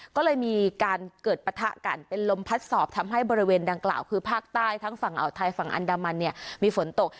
ก็เลยมีการเกิดปะทะกันเป็นลมพัดสอบทำให้บริเวณดังกล่าวคือภาคใต้ทั้งฝั่งอ่าวไทยฝั่งอันดามันเนี่ยมีฝนตก